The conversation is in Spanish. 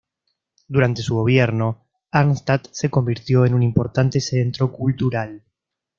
Durante su gobierno, Arnstadt se convirtió en un importante centro cultural.